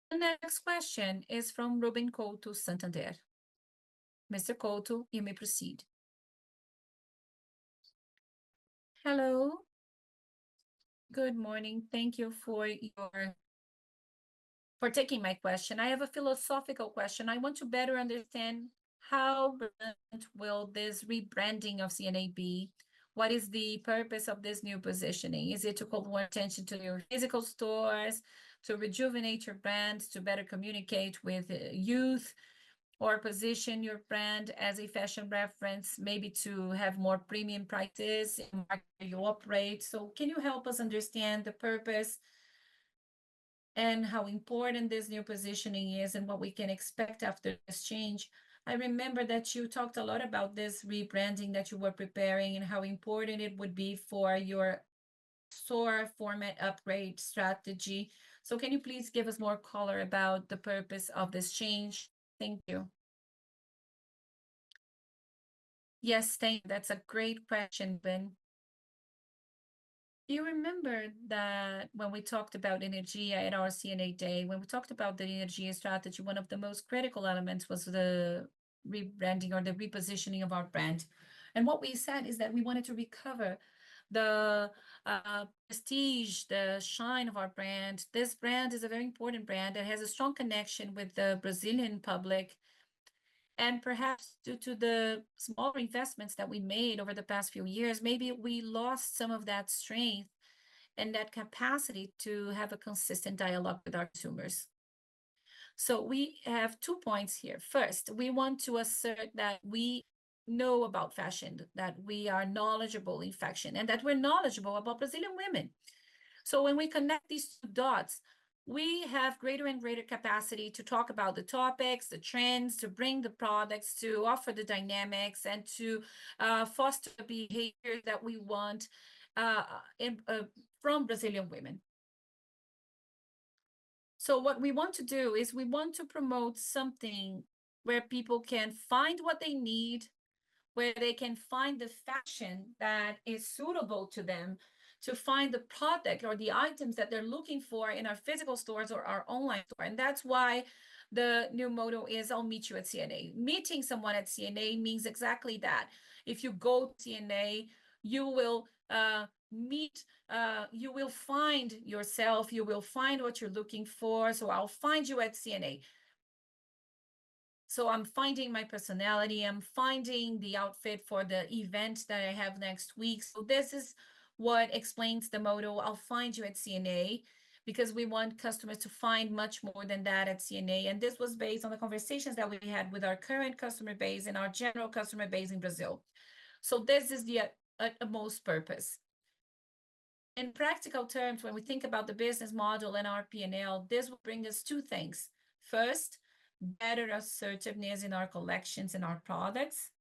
The next question is from Ruben Couto, Santander. Mr. Couto, you may proceed. Hello. Good morning. Thank you for taking my question. I have a philosophical question. I want to better understand how will this rebranding of C&A be? What is the purpose of this new positioning? Is it to call more attention to your physical stores, to rejuvenate your brand, to better communicate with youth, or position your brand as a fashion reference, maybe to have more premium practice in where you operate? So can you help us understand the purpose and how important this new positioning is and what we can expect after this change? I remember that you talked a lot about this rebranding that you were preparing and how important it would be for your store format upgrade strategy. So can you please give us more color about the purpose of this change? Thank you. Yes, thank you. That's a great question, Ruben. Do you remember that when we talked about Energia at our C&A day, when we talked about the Energia strategy, one of the most critical elements was the rebranding or the repositioning of our brand? And what we said is that we wanted to recover the prestige, the shine of our brand. This brand is a very important brand that has a strong connection with the Brazilian public. And perhaps due to the smaller investments that we made over the past few years, maybe we lost some of that strength and that capacity to have a consistent dialogue with our consumers. So we have two points here. First, we want to assert that we know about fashion, that we are knowledgeable in fashion, and that we're knowledgeable about Brazilian women. So when we connect these two dots, we have greater and greater capacity to talk about the topics, the trends, to bring the products, to offer the dynamics, and to foster the behavior that we want from Brazilian women. So what we want to do is we want to promote something where people can find what they need, where they can find the fashion that is suitable to them, to find the product or the items that they're looking for in our physical stores or our online store. That's why the new motto is, "I'll meet you at C&A." Meeting someone at C&A means exactly that. If you go to C&A, you will meet, you will find yourself, you will find what you're looking for. I'll find you at C&A. I'm finding my personality. I'm finding the outfit for the event that I have next week. This is what explains the motto "I'll find you at C&A," because we want customers to find much more than that at C&A. This was based on the conversations that we had with our current customer base and our general customer base in Brazil. This is the utmost purpose. In practical terms, when we think about the business model and our P&L, this will bring us two things. First, better assortment in our collections and our products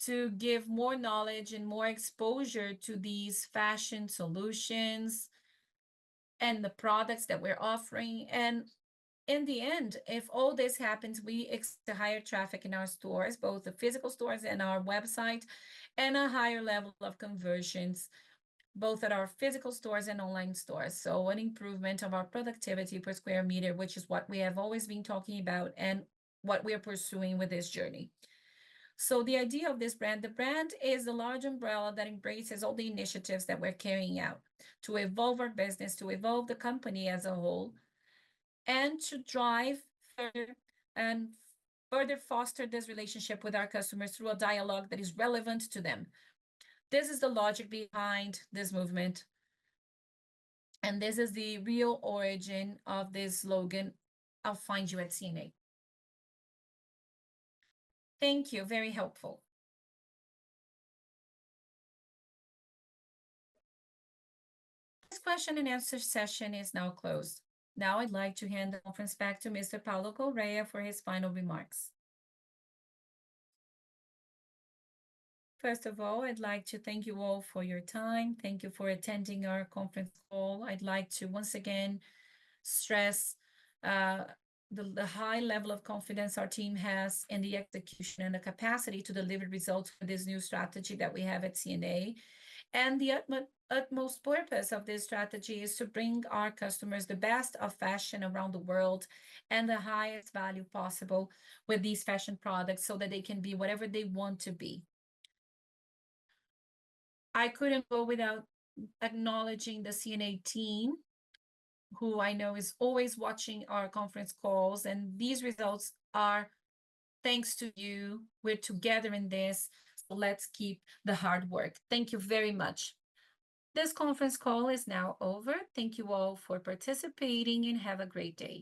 to give more knowledge and more exposure to these fashion solutions and the products that we're offering, and in the end, if all this happens, we expect higher traffic in our stores, both the physical stores and our website, and a higher level of conversions both at our physical stores and online stores, so an improvement of our productivity per square meter, which is what we have always been talking about and what we are pursuing with this journey, so the idea of this brand, the brand is a large umbrella that embraces all the initiatives that we're carrying out to evolve our business, to evolve the company as a whole, and to drive further and further foster this relationship with our customers through a dialogue that is relevant to them. This is the logic behind this movement. And this is the real origin of this slogan, "I'll find you at C&A." Thank you. Very helpful. This question and answer session is now closed. Now I'd like to hand the conference back to Mr. Paulo Correa for his final remarks. First of all, I'd like to thank you all for your time. Thank you for attending our conference call. I'd like to once again stress the high level of confidence our team has in the execution and the capacity to deliver results for this new strategy that we have at C&A. And the utmost purpose of this strategy is to bring our customers the best of fashion around the world and the highest value possible with these fashion products so that they can be whatever they want to be. I couldn't go without acknowledging the C&A team, who I know is always watching our conference calls. And these results are thanks to you. We're together in this. Let's keep the hard work. Thank you very much. This conference call is now over. Thank you all for participating and have a great day.